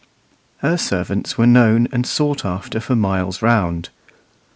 Her servants were known and sought after for miles round.